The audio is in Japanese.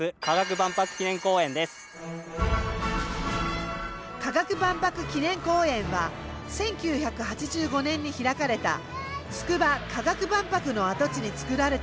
万博記念公園は１９８５年に開かれたつくば科学万博の跡地に造られています。